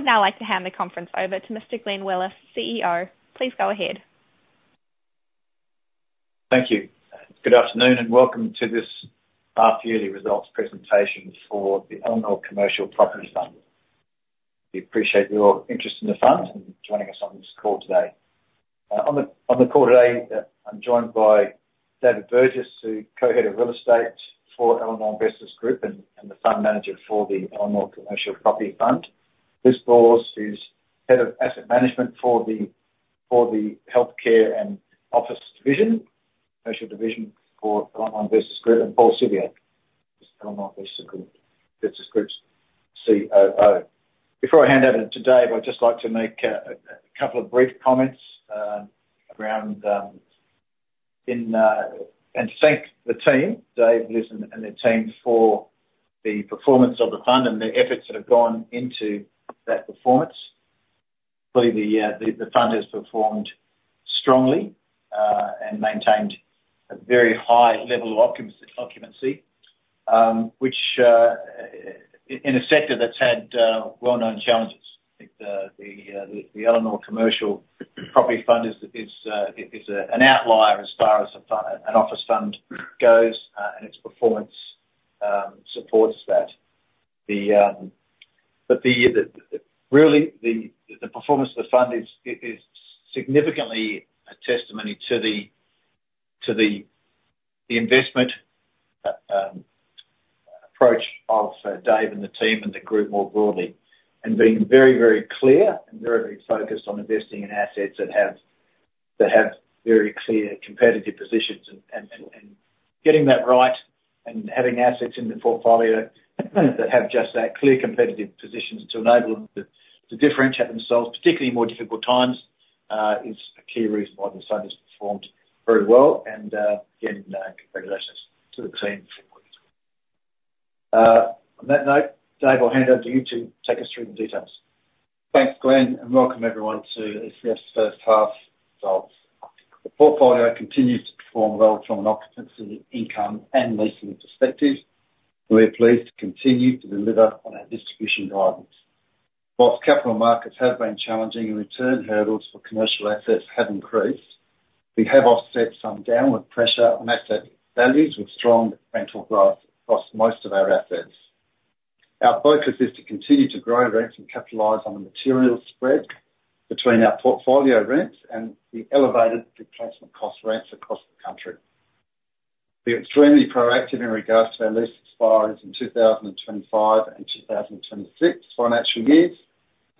I would now like to hand the conference over to Mr. Glenn Willis, CEO. Please go ahead. Thank you. Good afternoon, and welcome to this Half-Yearly Results Presentation for the Elanor Commercial Property Fund. We appreciate your interest in the fund and joining us on this call today. On the call today, I'm joined by David Burgess, the co-head of real estate for Elanor Investors Group and the fund manager for the Elanor Commercial Property Fund. Liz Bors is head of asset management for the Healthcare and Office division, special division for Elanor Investors Group, and Paul Siviour, Elanor Investors Group's COO. Before I hand over to Dave, I'd just like to make a couple of brief comments around and thank the team, Dave, Liz, and the team, for the performance of the fund and the efforts that have gone into that performance. Clearly, the fund has performed strongly, and maintained a very high level of occupancy, which in a sector that's had well-known challenges. I think the Elanor Commercial Property Fund is an outlier as far as an office fund goes, and its performance supports that. But really, the performance of the fund is significantly a testimony to the investment approach of Dave and the team and the group more broadly, and being very, very clear and very, very focused on investing in assets that have very clear competitive positions. And getting that right, and having assets in the portfolio that have just that, clear, competitive positions to enable them to differentiate themselves, particularly in more difficult times, is a key reason why this fund has performed very well. And, again, congratulations to the team. On that note, Dave, I'll hand over to you to take us through the details. Thanks, Glenn, and welcome everyone to ECF's first half results. The portfolio continues to perform well from an occupancy, income, and leasing perspective. We're pleased to continue to deliver on our distribution guidance. While capital markets have been challenging and return hurdles for commercial assets have increased, we have offset some downward pressure on asset values with strong rental growth across most of our assets. Our focus is to continue to grow rents and capitalize on the material spread between our portfolio rents and the elevated replacement cost rents across the country. We are extremely proactive in regards to our lease expiries in 2025 and 2026 financial years,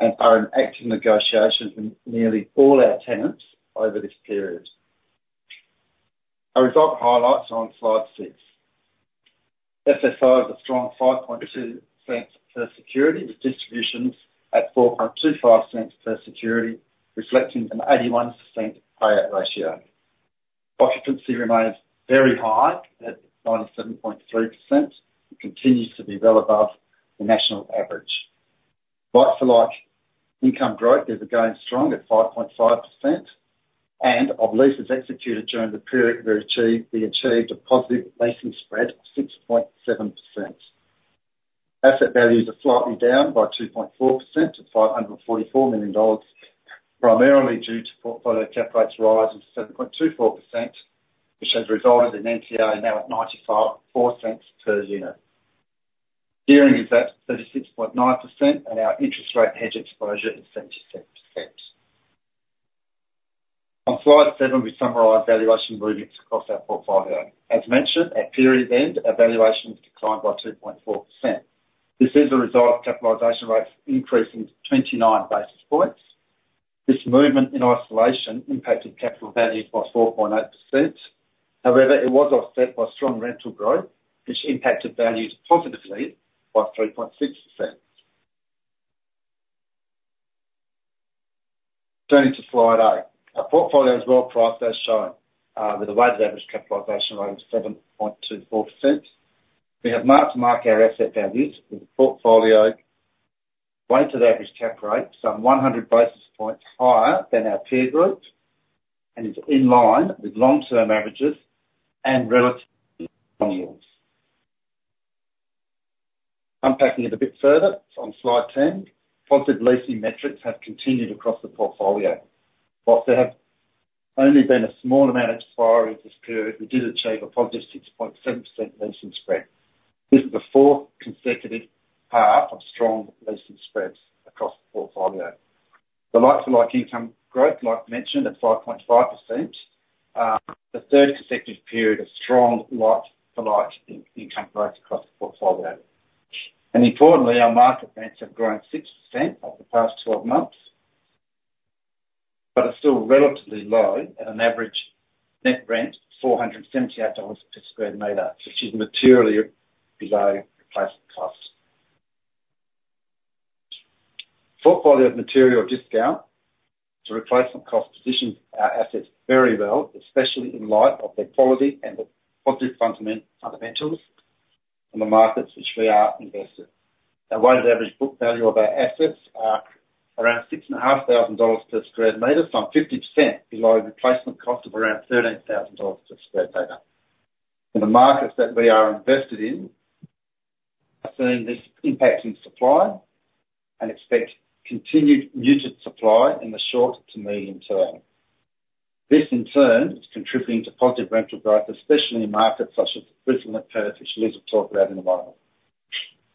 and are in active negotiations with nearly all our tenants over this period. Our result highlights are on slide six. FFO has a strong 5.2 cents per security, with distributions at 4.25 cents per security, reflecting an 81% payout ratio. Occupancy remains very high, at 97.3%, and continues to be well above the national average. Like-for-like income growth is again strong at 5.5%, and of leases executed during the period, we achieved a positive leasing spread of 6.7%. Asset values are slightly down by 2.4% to 544 million dollars, primarily due to portfolio cap rates rising to 7.24%, which has resulted in NTA now at 95.4 cents per unit. Gearing is at 36.9%, and our interest rate hedge exposure is 66%. On slide seven, we summarize valuation movements across our portfolio. As mentioned, at period end, our valuation declined by 2.4%. This is a result of capitalization rates increasing 29 basis points. This movement in isolation impacted capital values by 4.8%. However, it was offset by strong rental growth, which impacted values positively by 3.6%. Turning to slide eight. Our portfolio is well priced as shown, with a weighted average capitalization rate of 7.24%. We have mark-to-market our asset values, with the portfolio weighted average cap rate some 100 basis points higher than our peer group, and is in line with long-term averages and relative yields. Unpacking it a bit further, on slide 10, positive leasing metrics have continued across the portfolio. While there have only been a small amount of expiries this period, we did achieve a +6.7% leasing spread. This is the fourth consecutive half of strong leasing spreads across the portfolio. The like-for-like income growth, like mentioned, at 5.5%, the third consecutive period of strong like-for-like income growth across the portfolio. And importantly, our market rents have grown 6% over the past 12 months, but are still relatively low at an average net rent of 478 dollars per sq m, which is materially below replacement costs. Portfolio at material discount to replacement cost positions our assets very well, especially in light of the quality and the positive fundamentals in the markets which we are invested. Our weighted average book value of our assets are around 6,500 dollars per sq m, some 50% below the replacement cost of around 13,000 dollars per sq m. In the markets that we are invested in, seeing this impact in supply and expect continued muted supply in the short to medium term. This in turn, is contributing to positive rental growth, especially in markets such as Brisbane and Perth, which Liz will talk about in a while.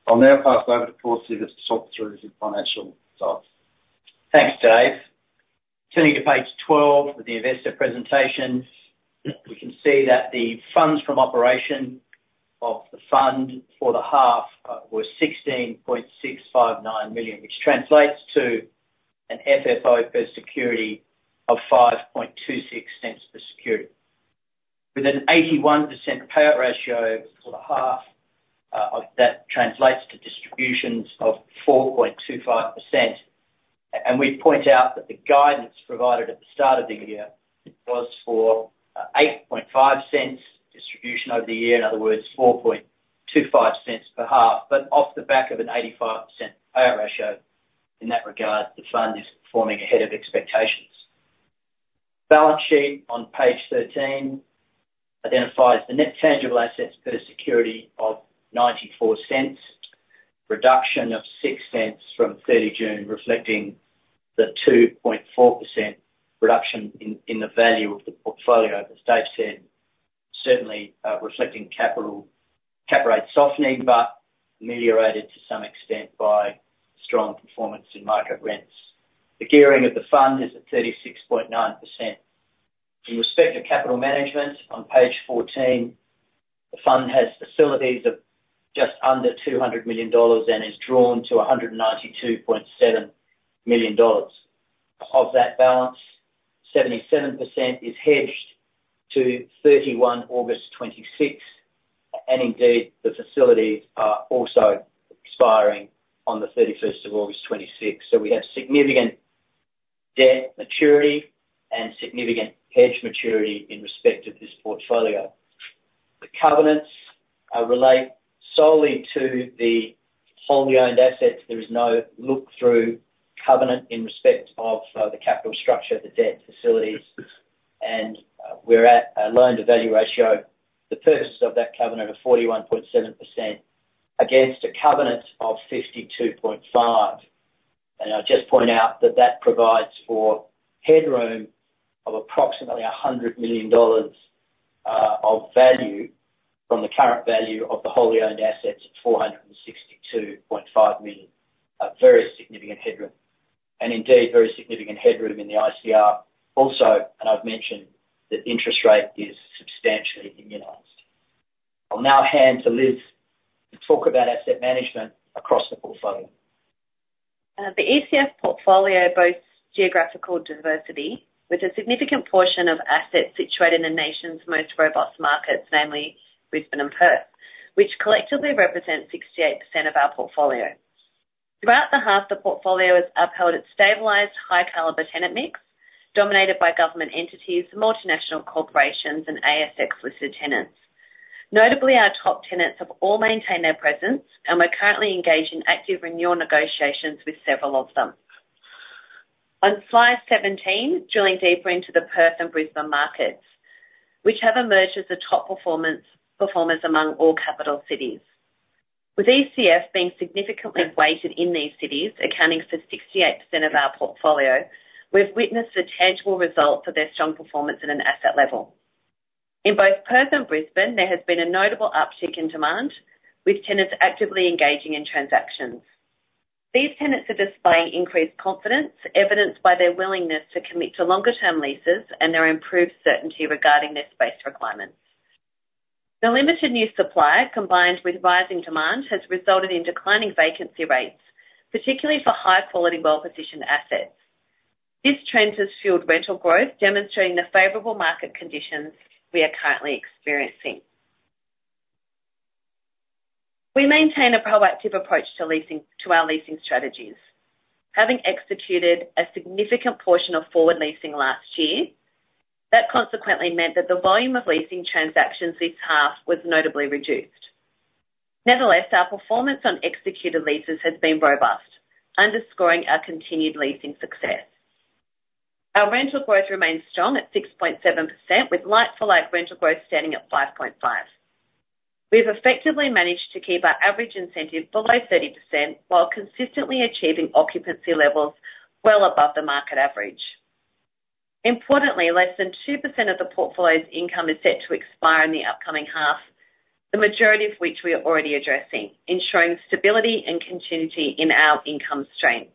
I'll now pass over to Paul Siviour to talk through the financial results. Thanks, Dave. Turning to page 12 of the investor presentation, we can see that the funds from operation of the fund for the half was 16.659 million, which translates to an FFO per security of 0.0526 per security. With an 81% payout ratio for the half, of that translates to distributions of 4.25%. And we point out that the guidance provided at the start of the year was for 0.085 distribution over the year, in other words, 0.0425 per half, but off the back of an 85% payout ratio. In that regard, the fund is performing ahead of expectations. Balance sheet on page 13 identifies the net tangible assets per security of 0.94, reduction of 0.06 from 30 June, reflecting the 2.4% reduction in the value of the portfolio, as Dave said, certainly reflecting capital, cap rate softening, but ameliorated to some extent by strong performance in market rents. The gearing of the fund is at 36.9%. In respect to capital management, on page 14, the fund has facilities of just under 200 million dollars and is drawn to 192.7 million dollars. Of that balance, 77% is hedged to 31 August 2026, and indeed, the facilities are also expiring on the 31st of August 2026. So we have significant debt maturity and significant hedge maturity in respect of this portfolio. The covenants relate solely to the wholly owned assets. There is no look-through covenant in respect of, the capital structure of the debt facilities, and, we're at a loan-to-value ratio, the purpose of that covenant of 41.7% against a covenant of 52.5. And I'll just point out that that provides for headroom of approximately 100 million dollars, of value from the current value of the wholly owned assets at 462.5 million. A very significant headroom, and indeed, very significant headroom in the ICR also, and I've mentioned that interest rate is substantially immunized. I'll now hand to Liz to talk about asset management across the portfolio. The ECF portfolio boasts geographical diversity, with a significant portion of assets situated in the nation's most robust markets, namely Brisbane and Perth, which collectively represent 68% of our portfolio. Throughout the half, the portfolio has upheld its stabilized, high caliber tenant mix, dominated by government entities, multinational corporations, and ASX-listed tenants. Notably, our top tenants have all maintained their presence, and we're currently engaged in active renewal negotiations with several of them. On slide 17, drilling deeper into the Perth and Brisbane markets, which have emerged as the top performance among all capital cities. With ECF being significantly weighted in these cities, accounting for 68% of our portfolio, we've witnessed a tangible result for their strong performance at an asset level. In both Perth and Brisbane, there has been a notable uptick in demand, with tenants actively engaging in transactions. These tenants are displaying increased confidence, evidenced by their willingness to commit to longer term leases and their improved certainty regarding their space requirements. The limited new supply, combined with rising demand, has resulted in declining vacancy rates, particularly for high-quality, well-positioned assets. This trend has fueled rental growth, demonstrating the favorable market conditions we are currently experiencing. We maintain a proactive approach to leasing, to our leasing strategies, having executed a significant portion of forward leasing last year, that consequently meant that the volume of leasing transactions this half was notably reduced. Nevertheless, our performance on executed leases has been robust, underscoring our continued leasing success. Our rental growth remains strong at 6.7%, with like-for-like rental growth standing at 5.5%. We've effectively managed to keep our average incentive below 30%, while consistently achieving occupancy levels well above the market average. Importantly, less than 2% of the portfolio's income is set to expire in the upcoming half, the majority of which we are already addressing, ensuring stability and continuity in our income stream.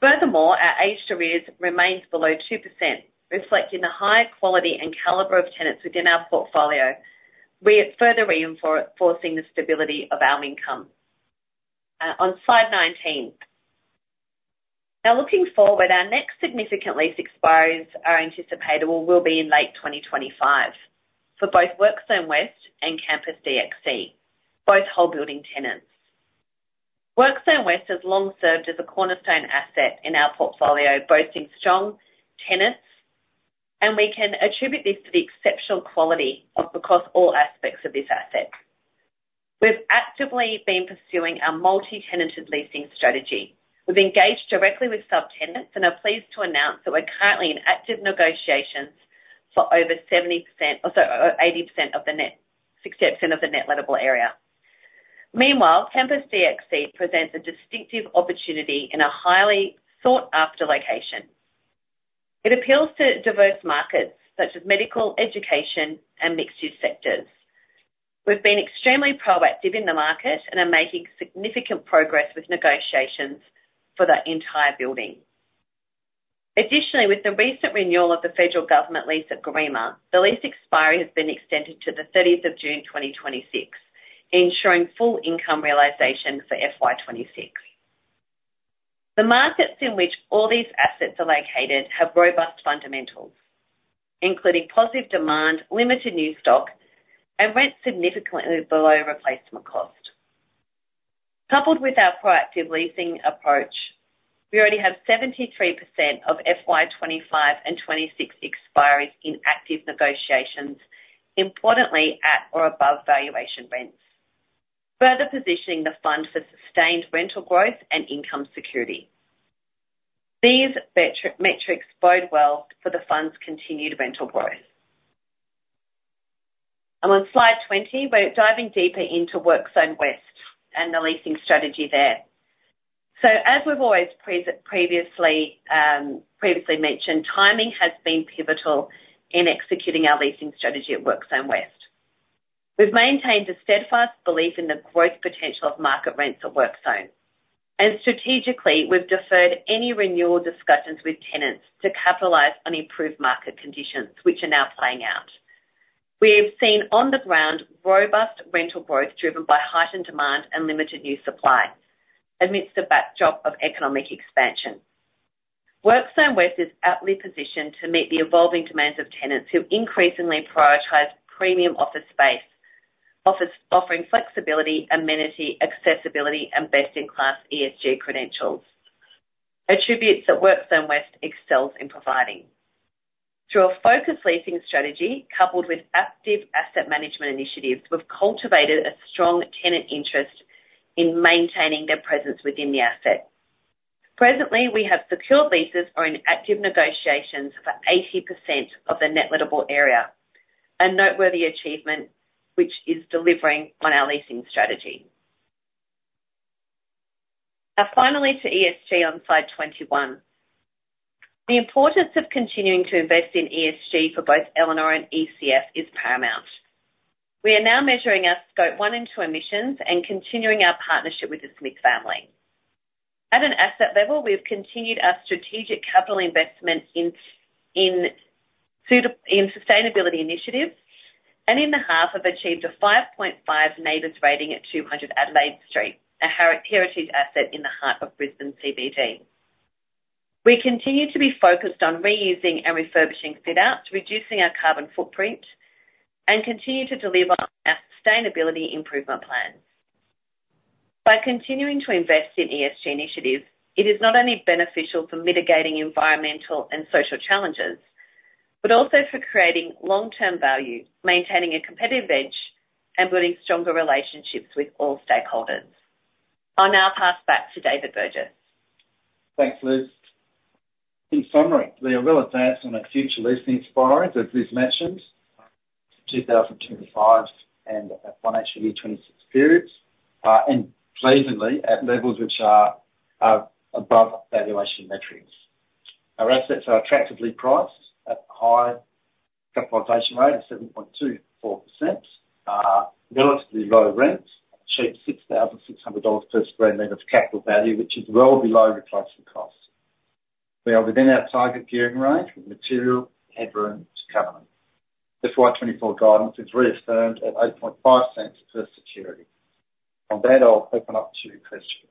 Furthermore, our aged arrears remains below 2%, reflecting the high quality and caliber of tenants within our portfolio. We are further reinforcing the stability of our income. On slide 19. Now, looking forward, our next significant lease expiries are anticipatable, will be in late 2025 for both WorkZone West and Campus DXC, both whole building tenants. WorkZone West has long served as a cornerstone asset in our portfolio, boasting strong tenants, and we can attribute this to the exceptional quality of- across all aspects of this asset. We've actively been pursuing our multi-tenanted leasing strategy. We've engaged directly with subtenants and are pleased to announce that we're currently in active negotiations for over 70%, or sorry, 80% of the net lettable area. Meanwhile, Campus DXC presents a distinctive opportunity in a highly sought-after location. It appeals to diverse markets, such as medical, education, and mixed-use sectors. We've been extremely proactive in the market and are making significant progress with negotiations for that entire building. Additionally, with the recent renewal of the federal government lease at Garema, the lease expiry has been extended to the 30th of June 2026, ensuring full income realization for FY 2026. The markets in which all these assets are located have robust fundamentals, including positive demand, limited new stock, and rent significantly below replacement cost. Coupled with our proactive leasing approach, we already have 73% of FY 2025 and FY 2026 expiries in active negotiations, importantly, at or above valuation rents, further positioning the fund for sustained rental growth and income security. These metrics bode well for the fund's continued rental growth. On slide 20, we're diving deeper into WorkZone West and the leasing strategy there. So as we've always previously mentioned, timing has been pivotal in executing our leasing strategy at WorkZone West. We've maintained a steadfast belief in the growth potential of market rents at WorkZone, and strategically, we've deferred any renewal discussions with tenants to capitalize on improved market conditions, which are now playing out. We have seen on-the-ground, robust rental growth, driven by heightened demand and limited new supply, amidst a backdrop of economic expansion. WorkZone West is aptly positioned to meet the evolving demands of tenants who increasingly prioritize premium office space offering flexibility, amenity, accessibility, and best-in-class ESG credentials, attributes that WorkZone West excels in providing. Through our focused leasing strategy, coupled with active asset management initiatives, we've cultivated a strong tenant interest in maintaining their presence within the asset. Presently, we have secured leases or in active negotiations for 80% of the net lettable area, a noteworthy achievement, which is delivering on our leasing strategy. Now, finally to ESG on slide 21. The importance of continuing to invest in ESG for both Elanor and ECF is paramount. We are now measuring our Scope 1 and 2 emissions and continuing our partnership with the Smith Family. At an asset level, we've continued our strategic capital investment in sustainability initiatives, and in the half, have achieved a 5.5 NABERS rating at 200 Adelaide Street, a heritage asset in the heart of Brisbane CBD. We continue to be focused on reusing and refurbishing fit outs, reducing our carbon footprint, and continue to deliver on our sustainability improvement plan. By continuing to invest in ESG initiatives, it is not only beneficial for mitigating environmental and social challenges, but also for creating long-term value, maintaining a competitive edge, and building stronger relationships with all stakeholders. I'll now pass back to David Burgess. Thanks, Liz. In summary, we are well advanced on our future leasing expiries, as Liz mentioned, 2025 and financial year 2026 periods, and pleasantly at levels which are above valuation metrics. Our assets are attractively priced at a high capitalization rate of 7.24%, relatively low rents achieve 6,600 dollars per sq m of capital value, which is well below replacement costs. We are within our target gearing range with material headroom to cover. The FY 2024 guidance is reaffirmed at 0.085 per security. On that, I'll open up to questions.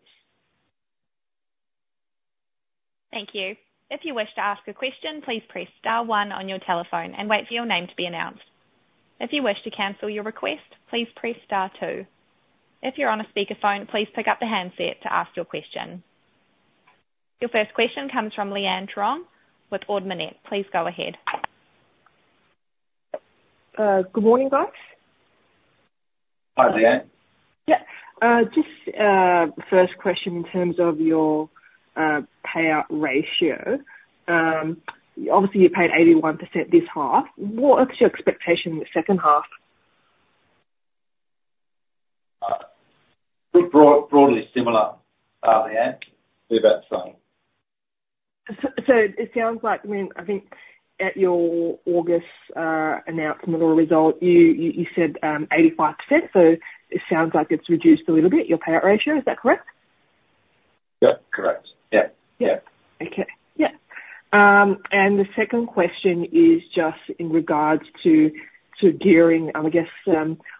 Thank you. If you wish to ask a question, please press star one on your telephone and wait for your name to be announced. If you wish to cancel your request, please press star two. If you're on a speakerphone, please pick up the handset to ask your question. Your first question comes from Leanne Truong with Ord Minnett. Please go ahead. Good morning, guys. Hi, Leanne. Yeah. Just, first question in terms of your payout ratio. Obviously, you paid 81% this half. What is your expectation in the second half? We're broadly similar, Leanne, we're about the same. So it sounds like, I mean, I think at your August announcement or result, you said 85%, so it sounds like it's reduced a little bit, your payout ratio. Is that correct? Yep, correct. Yeah. Yeah. Okay. Yeah, and the second question is just in regards to gearing, I guess,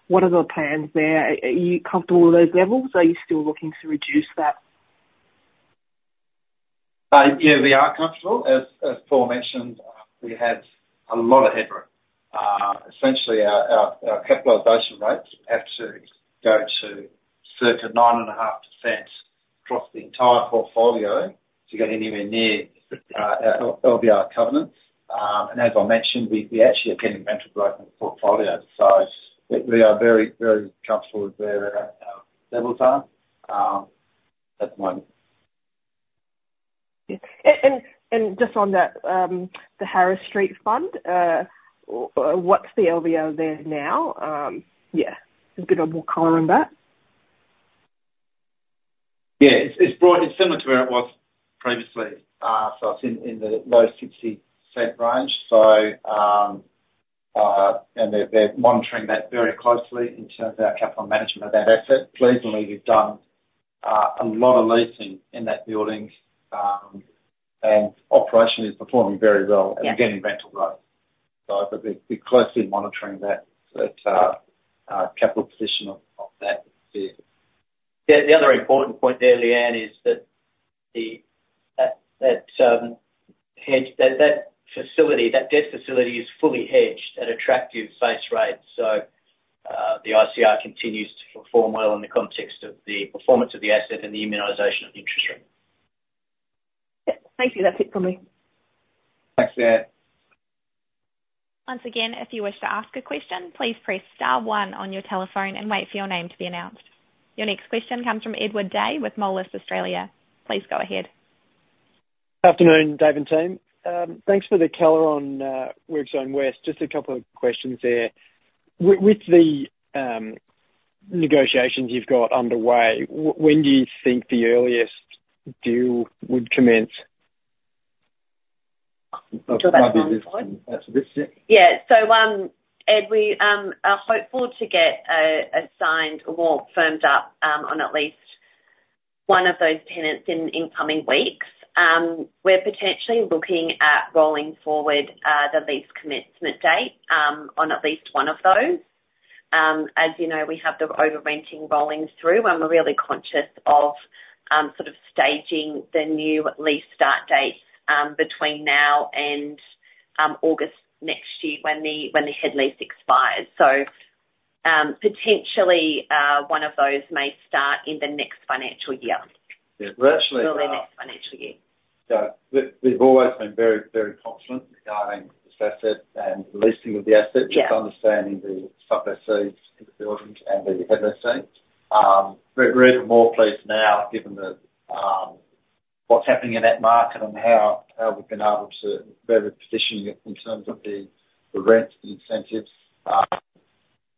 what are the plans there? Are you comfortable with those levels, or are you still looking to reduce that? Yeah, we are comfortable. As Paul mentioned, we have a lot of headroom. Essentially, our capitalization rates have to go to circa 9.5% across the entire portfolio to get anywhere near our LVR covenants. And as I mentioned, we actually obtaining rental growth in the portfolio. So we are very, very comfortable with where our levels are at the moment. Yeah. And just on that, the Harris Street Fund, what's the LVR there now? Yeah, a bit more color on that. Yeah, it's similar to where it was previously. So, it's in the low 0.60 range. So, and they're monitoring that very closely in terms of our capital management of that asset. Pleasingly, we've done a lot of leasing in that building, and operation is performing very well- Yeah. -and getting rental growth. So, but we're closely monitoring that capital position of that there. The other important point there, Leanne, is that the hedge that debt facility is fully hedged at attractive base rates. So, the ICR continues to perform well in the context of the performance of the asset and the immunization of the interest rate. Yeah. Thank you. That's it for me. Thanks, Leanne. Once again, if you wish to ask a question, please press star one on your telephone and wait for your name to be announced. Your next question comes from Edward Day with Moelis Australia. Please go ahead. Good afternoon, Dave and team. Thanks for the color on WorkZone West. Just a couple of questions there. With the negotiations you've got underway, when do you think the earliest deal would commence? This year. Yeah. So, Ed, we are hopeful to get a signed or firmed up on at least one of those tenants in coming weeks. We're potentially looking at rolling forward the lease commencement date on at least one of those. As you know, we have the overrenting rolling through, and we're really conscious of sort of staging the new lease start date between now and August next year when the head lease expiries. So, potentially, one of those may start in the next financial year. Yeah. Virtually, Early next financial year. So we've always been very, very confident regarding this asset and the leasing of the asset. Yeah. Just understanding the sub leases in the buildings and the head lease. We're, we're even more pleased now, given the, what's happening in that market and how, how we've been able to further position it in terms of the, the rents, the incentives.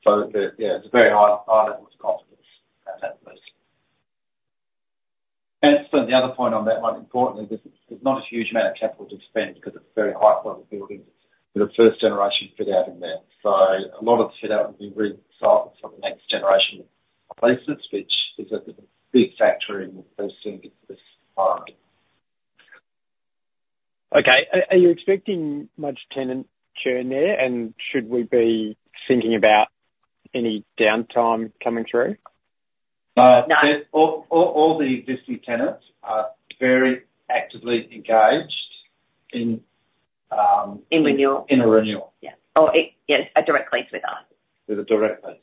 So the yeah, it's a very high, high level of confidence at that lease. And so the other point on that one, importantly, there's, there's not a huge amount of capital to spend because it's a very high quality building with a first generation fit out in there. So a lot of the fit out will be recycled for the next generation of leases, which is a, a big factor in leasing this time. Okay. Are you expecting much tenant churn there, and should we be thinking about any downtime coming through? Uh- No. All the existing tenants are very actively engaged in In renewal. In a renewal. Yeah. Yes, a direct lease with us. With a direct lease.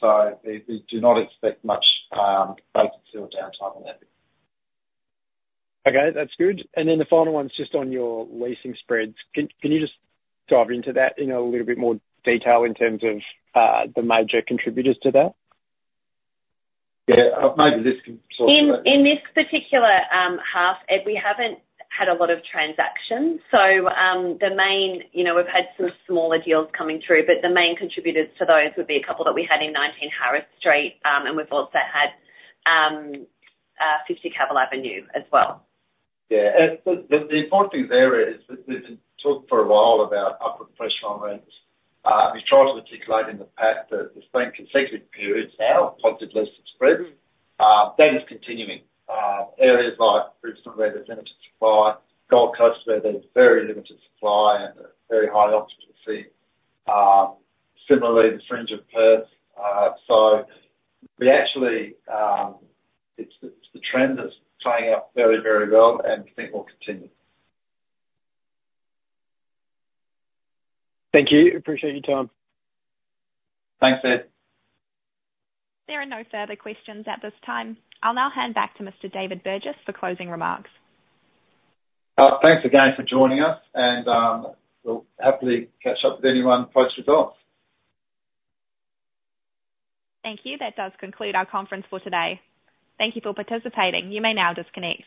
So we do not expect much vacancy or downtime on that. Okay, that's good. Then the final one is just on your leasing spreads. Can you just dive into that in a little bit more detail in terms of the major contributors to that? Yeah. Maybe this can sort that- In this particular half, Ed, we haven't had a lot of transactions. So, the main-- You know, we've had some smaller deals coming through, but the main contributors to those would be a couple that we had in 19 Harris Street, and we've also had 50 Cavill Avenue as well. Yeah. And the important thing there is that we've talked for a while about upward pressure on rents. We've tried to articulate in the past that there's been consecutive periods now of positive leasing spread. That is continuing. Areas like Brisbane, where there's limited supply, Gold Coast, where there's very limited supply and a very high occupancy. Similarly, the fringe of Perth. So we actually... It's the trend that's playing out very, very well, and we think will continue. Thank you. Appreciate your time. Thanks, Ed. There are no further questions at this time. I'll now hand back to Mr. David Burgess for closing remarks. Thanks again for joining us, and we'll happily catch up with anyone post-results. Thank you. That does conclude our conference for today. Thank you for participating. You may now disconnect.